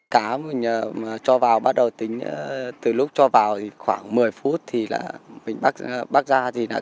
cá mình cho vào bắt đầu tính từ lúc cho vào khoảng một mươi phút thì mình bắt ra gì nào